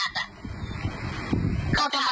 อ่าแล้วก็ได้ไป